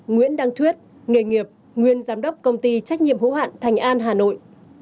nguyễn đăng thuyết nghề nghiệp nguyên giám đốc công ty trách nhiệm hữu hạn thành an hà nội